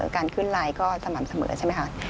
การขึ้นไลน์ก็สม่ำเสมอใช่ไหมคะ